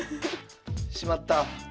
しまった。